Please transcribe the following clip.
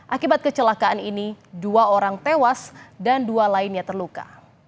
akibat kecelakaan ini dua orang tewas dan dua lainnya terluka